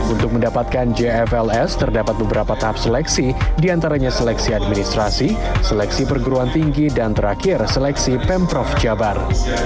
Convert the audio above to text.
untuk mendapatkan jfls terdapat beberapa tahap seleksi diantaranya seleksi administrasi seleksi perguruan tinggi dan terakhir seleksi pemprov jabar